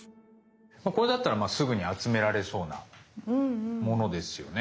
これだったらすぐに集められそうなものですよね。